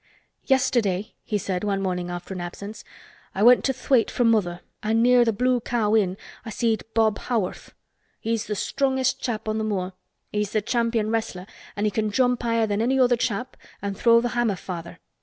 "Yesterday," he said one morning after an absence, "I went to Thwaite for mother an' near th' Blue Cow Inn I seed Bob Haworth. He's the strongest chap on th' moor. He's the champion wrestler an' he can jump higher than any other chap an' throw th' hammer farther.